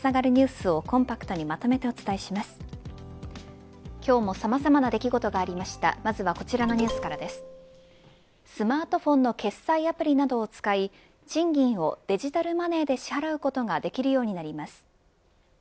スマートフォンの決済アプリなどを使い賃金をデジタルマネーで支払うことができるようになります。